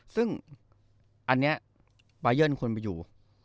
ซึ่งอันนี้ไบเยิ้ลควรไม่อยู่